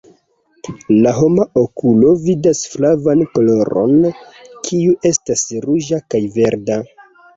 La homa okulo vidas flavan koloron, kiu estas ruĝa kaj verda.